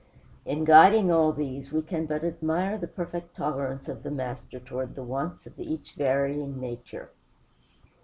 In guiding all these, we can but admire the perfect tolerance of the Master toward the wants of each varying nature.